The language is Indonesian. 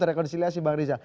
direkonsiliasi bang riza